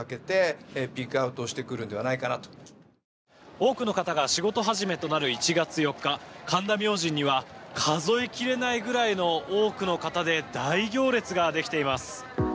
多くの方が仕事始めとなる１月４日神田明神には数え切れないぐらいの多くの方で大行列ができています。